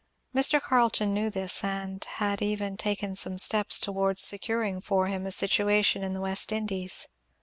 Mr. Carleton knew this, and had even taken some steps towards securing for him a situation in the West Indies.